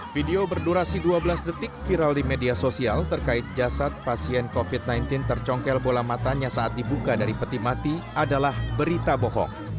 video berdurasi dua belas detik viral di media sosial terkait jasad pasien covid sembilan belas tercongkel bola matanya saat dibuka dari peti mati adalah berita bohong